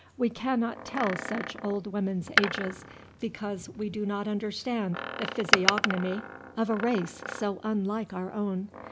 We cannot tell such old women's ages because we do not understand the physiognomy of a race so unlike our own.